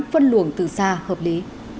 phân luồng từ xa hợp lý